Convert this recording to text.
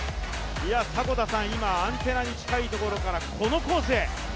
今、アンテナに近いところからこのコースへ。